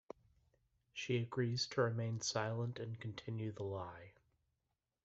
She agrees to remain silent and continue the lie.